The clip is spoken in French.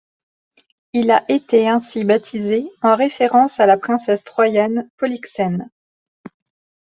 Il a été ainsi baptisé en référence à la princesse troyenne Polyxène.